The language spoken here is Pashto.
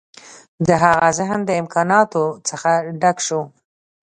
د هغه ذهن د امکاناتو څخه ډک شو